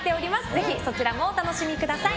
ぜひそちらもお楽しみください。